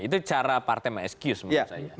itu cara partai mengesecuse menurut saya